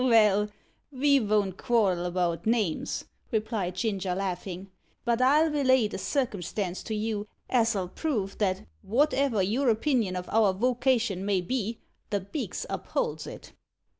"Vell, ve von't quarrel about names," replied Ginger, laughing, "but I'll relate a circumstance to you as'll prove that wotever your opinion of our wocation may be, the beaks upholds it."